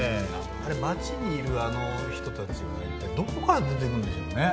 あれ街にいるあの人たちは一体どこから出てくるんでしょうね。